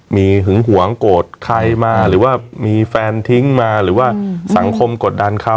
มีหึงหวงโกรธใครมาหรือว่ามีแฟนทิ้งมาหรือว่าสังคมกดดันเขา